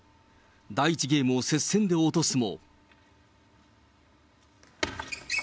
第１ゲームを接戦で落とすも。